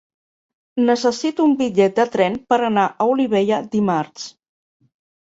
Necessito un bitllet de tren per anar a Olivella dimarts.